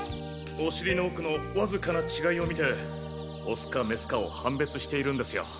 おしりの奥のわずかな違いを見てオスかメスかを判別しているんですよ。